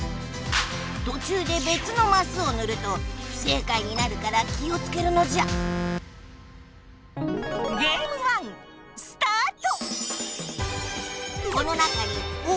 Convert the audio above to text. とちゅうでべつのマスをぬると不正解になるから気をつけるのじゃスタート！